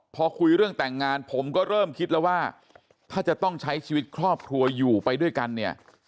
พอคุยเรื่องแต่งงานผมก็เริ่มคิดแล้วว่าถ้าจะต้องใช้ชีวิตครอบครัวอยู่ไปด้วยกันเนี่ย